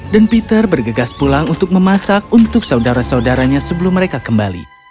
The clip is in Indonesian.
dan peter bergegas pulang untuk memasak untuk saudara saudaranya sebelum mereka kembali